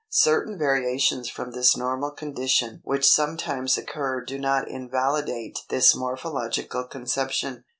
Certain variations from this normal condition which sometimes occur do not invalidate this morphological conception.